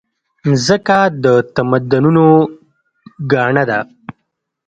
مځکه د تمدنونو ګاڼه ده.